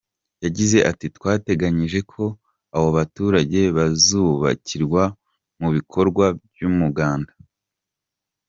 Yagize ati “Twateganyije ko abo baturage bazubakirwa mu bikorwa by’umuganda.